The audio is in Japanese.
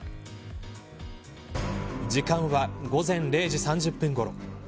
時間は午前０時３０分ごろ。